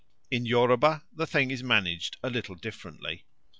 In Yoruba the thing is managed a little differently.